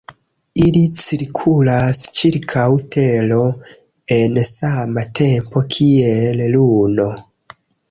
Ili cirkulas ĉirkaŭ Tero en sama tempo kiel Luno.